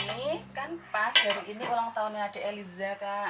ini kan pas hari ini ulang tahunnya adik eliza kak